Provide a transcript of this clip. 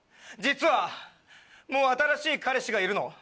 実はもう新しい彼氏がいるの。